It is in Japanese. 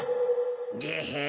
ゲヘ。